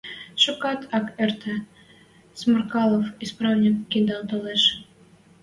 Шукат ак эртӹ, Сморкалов-исправник кыдал толеш.